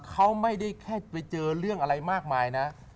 เขาไม่ได้แค่ไปเจอเรื่องอะไรมากมายนะ